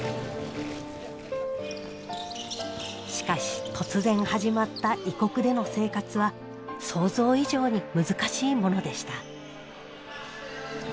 しかし突然始まった異国での生活は想像以上に難しいものでした。